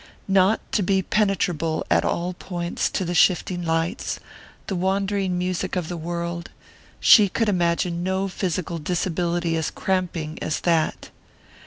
Not to be penetrable at all points to the shifting lights, the wandering music of the world she could imagine no physical disability as cramping as that.